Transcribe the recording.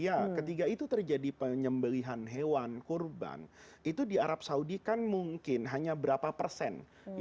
ya ketika itu terjadi penyembelihan hewan kurban itu di arab saudi kan mungkin hanya berapa persen